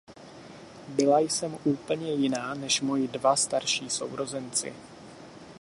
Byla jsem úplně jiná než moji dva starší sourozenci.